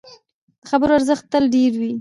د خبرو ارزښت تل ډېر وي